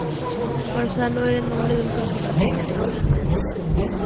Parnaso era el nombre de un personaje mitológico.